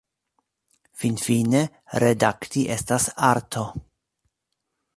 Finfine, redakti estas arto.